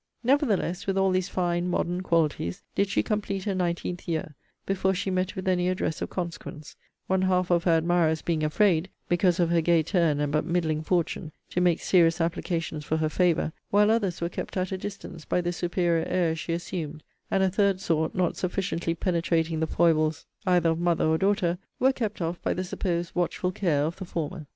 Nevertheless, with all these fine modern qualities, did she complete her nineteenth year, before she met with any address of consequence; one half of her admirers being afraid, because of her gay turn, and but middling fortune, to make serious applications for her favour; while others were kept at a distance, by the superior airs she assumed; and a third sort, not sufficiently penetrating the foibles either of mother or daughter, were kept off by the supposed watchful care of the former.